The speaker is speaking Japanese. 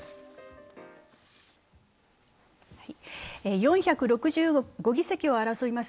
４６５議席を争います